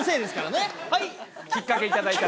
「はい！」。